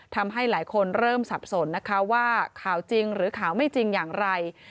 ทำให้หลายคนเริ่มสับสนนะคะว่าข่าวจริงหรือข่าวไม่จริงอย่างไร